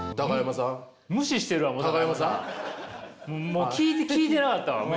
もう聞いてなかったわ。